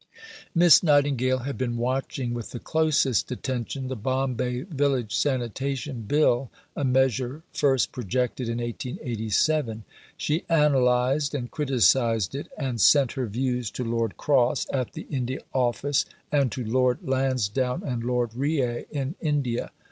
Miss Nightingale had been watching with the closest attention the Bombay Village Sanitation Bill, a measure first projected in 1887. She analysed and criticized it, and sent her views to Lord Cross at the India Office, and to Lord Lansdowne and Lord Reay in India.